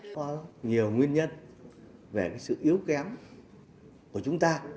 có nhiều nguyên nhân về sự yếu kém của chúng ta